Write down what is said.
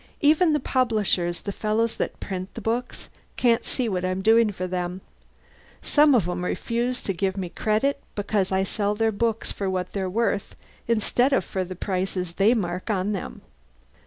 "Even the publishers, the fellows that print the books, can't see what I'm doing for them. Some of 'em refuse me credit because I sell their books for what they're worth instead of for the prices they mark on them.